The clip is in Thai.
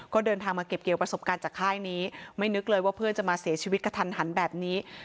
ก็เดินทางมาเก็บเกี่ยวประสบการณ์จากค่ายนี้ไม่นึกเลยว่าเพื่อนจะมาเสียชีวิตกระทันหันแบบนี้